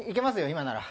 今なら。